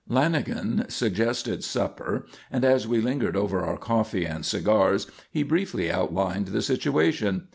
Lanagan suggested supper and as we lingered over our coffee and cigars, he briefly outlined the situation.